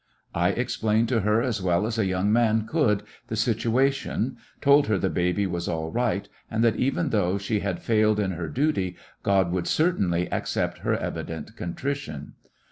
I explained to her as well as a young man could the situation, told her the baby was all right, and that even though she had failed in her duty, God would certainly accept her evi dent contrition.